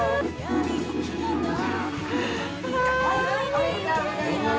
・おめでとうございます。